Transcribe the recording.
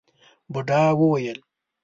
بوډا وويل: